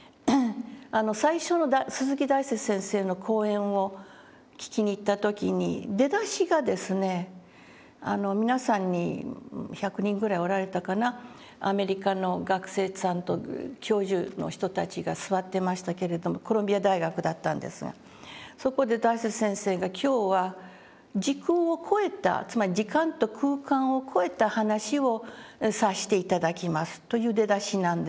最初の鈴木大拙先生の講演を聞きに行った時に出だしがですね皆さんに１００人ぐらいおられたかなアメリカの学生さんと教授の人たちが座ってましたけれどもコロンビア大学だったんですがそこで大拙先生が「今日は時空を超えたつまり時間と空間を超えた話をさせて頂きます」という出だしなんですね。